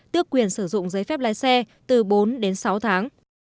tước quyền sử dụng giấy phép lái xe từ bốn đến sáu tháng